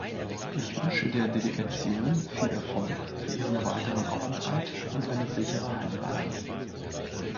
Ich wünsche der Delegation viel Erfolg für ihren weiteren Aufenthalt und eine sichere Heimreise.